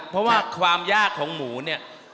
เพราะว่าความยากของหมูเนี่ย